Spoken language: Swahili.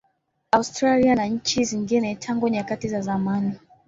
Australia na nchi zingine Tangu nyakati za zamani